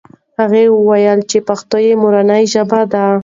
هغه وویل چې پښتو یې مورنۍ ژبه ده.